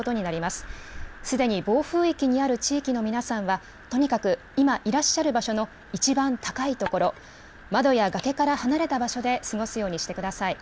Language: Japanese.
すでに暴風域にある地域の皆さんは、とにかく今いらっしゃる場所の一番高い所、窓や崖から離れた場所で過ごすようにしてください。